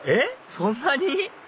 そんなに？